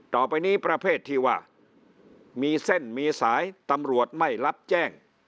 ต่อไปนี้ประเภทที่ว่ามีเส้นมีสายตำรวจไม่รับแจ้ง